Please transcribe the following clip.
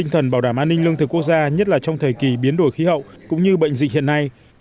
tinh thần bảo đảm an ninh lương thực quốc gia nhất là trong thời kỳ biến đổi khí hậu cũng như bệnh dịch hiện nay